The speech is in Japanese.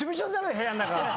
部屋の中。